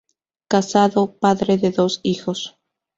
Casado, padre de dos hijos.